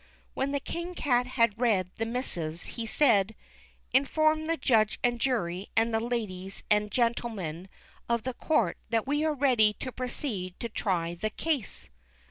When the King Cat had read the missives, he said, ^Mnform the Judge and Jury and the ladies and gen 364 THE CHILDREN'S WONDER BOOK. tlemen of the court that we are ready to proceed to try the case."